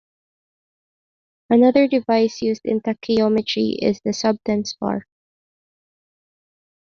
Another device used in tacheometry is the "subtense bar".